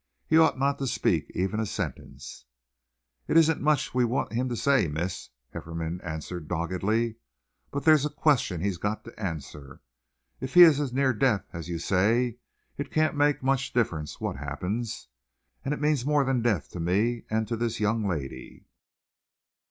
He ought not to speak ever a sentence." "It isn't much we want him to say, miss," Hefferom answered doggedly, "but there's a question he's got to answer. If he is as near death as you say, it can't make much difference what happens, and it means more than death to me and to this young lady."